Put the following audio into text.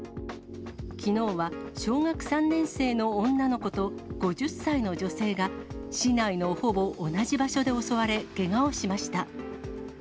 きのうは小学３年生の女の子と５０歳の女性が、市内のほぼ同じ場所で襲われ、けがをしました。